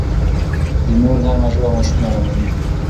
د مور نرمه ژبه ماشوم اراموي.